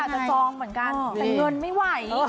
อีกมันอยากจะจองเหมือนกันแต่เงินไม่ไหว